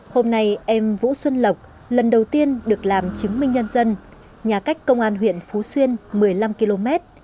hôm nay em vũ xuân lộc lần đầu tiên được làm chứng minh nhân dân nhà cách công an huyện phú xuyên một mươi năm km